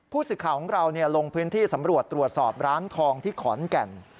สิทธิ์ข่าวของเราลงพื้นที่สำรวจตรวจสอบร้านทองที่ขอนแก่น